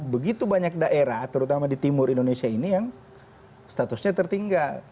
begitu banyak daerah terutama di timur indonesia ini yang statusnya tertinggal